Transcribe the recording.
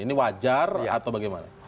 ini wajar atau bagaimana